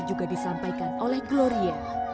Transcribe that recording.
juga disampaikan oleh gloria